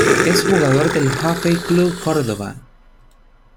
Es jugador del Jockey Club Córdoba.